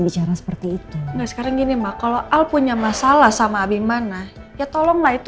bicara seperti itu enggak sekarang gini mah kalau al punya masalah sama abimana ya tolonglah itu